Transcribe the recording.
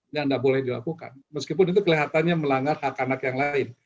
ini tidak boleh dilakukan meskipun itu kelihatannya melanggar hak anak yang lain